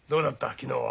昨日は。